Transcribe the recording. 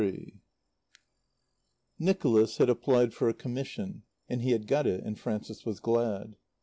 XXIII Nicholas had applied for a commission, and he had got it, and Frances was glad.